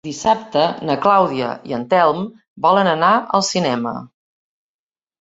Dissabte na Clàudia i en Telm volen anar al cinema.